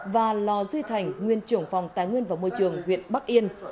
và lò duy thành nguyên trưởng phòng tài nguyên và môi trường huyện bắc yên